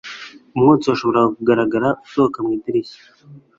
Umwotsi washoboraga kugaragara usohoka mu idirishya.